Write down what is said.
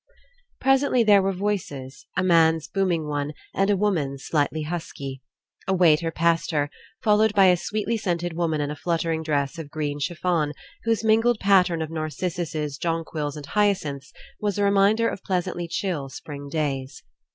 Presently there were voices, a man's booming one and a woman's slightly husky. A waiter passed her, followed by a sweetly scented woman in a fluttering dress of green chifi^on whose mingled pattern of narcissuses, jonquils, and hyacinths was a reminder of pleas antly chill spring days.